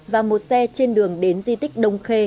và một xe trên đường đến di tích đông khê